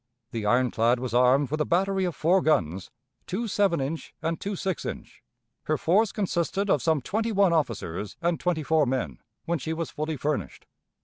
The ironclad was armed with a battery of four guns, two seven inch and two six inch. Her force consisted of some twenty one officers and twenty four men, when she was fully furnished.